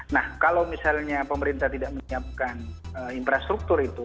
nah kalau misalnya pemerintah tidak menyiapkan infrastruktur itu